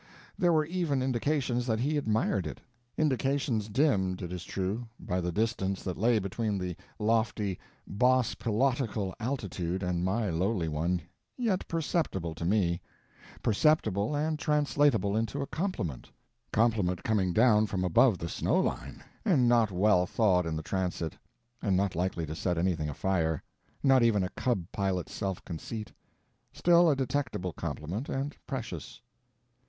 There were even indications that he admired it; indications dimmed, it is true, by the distance that lay between the lofty boss pilotical altitude and my lowly one, yet perceptible to me; perceptible, and translatable into a compliment—compliment coming down from above the snow line and not well thawed in the transit, and not likely to set anything afire, not even a cub pilot's self conceit; still a detectable complement, and precious.